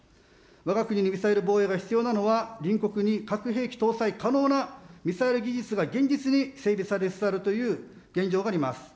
わが国にミサイル防衛が必要なのは隣国に核兵器搭載可能なミサイル技術が現実に整備されつつあるという現状があります。